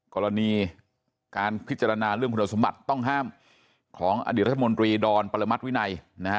กรณีการพิจารณาเรื่องคุณสมบัติต้องห้ามของอดีตรัฐมนตรีดอนปรมัติวินัย